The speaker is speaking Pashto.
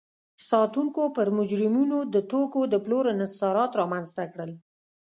ساتونکو پر مجرمینو د توکو د پلور انحصارات رامنځته کړل.